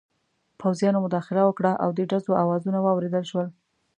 پوځیانو مداخله وکړه او د ډزو اوازونه واورېدل شول.